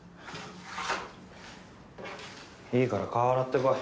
いいから顔洗ってこい。